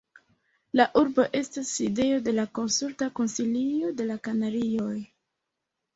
La urbo estas sidejo de la Konsulta Konsilio de la Kanarioj.